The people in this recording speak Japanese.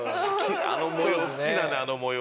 あの模様好きだねあの模様。